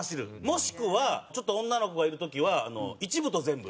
もしくはちょっと女の子がいる時は『イチブトゼンブ』。